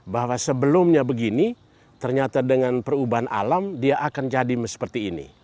bahwa sebelumnya begini ternyata dengan perubahan alam dia akan jadi seperti ini